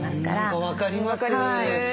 何か分かります。